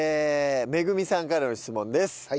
めぐみさんからの質問です。